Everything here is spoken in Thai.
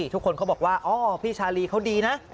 เขาบอกว่าอ๋อพี่ชาลีเขาดีนะ